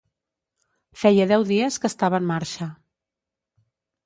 Feia deu dies que estava en marxa.